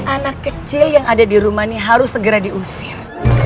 anak kecil yang ada di rumah ini harus segera diusir